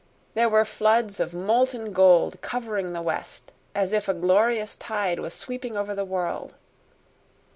There were floods of molten gold covering the west, as if a glorious tide was sweeping over the world.